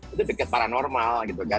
itu dekat paranormal